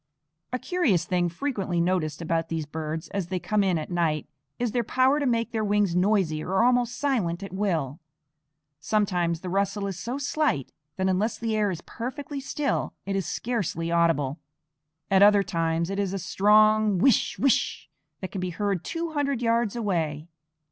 A curious thing frequently noticed about these birds as they come in at night is their power to make their wings noisy or almost silent at will. Sometimes the rustle is so slight that, unless the air is perfectly still, it is scarcely audible; at other times it is a strong wish wish that can be heard two hundred yards away.